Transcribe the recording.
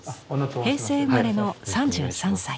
平成生まれの３３歳。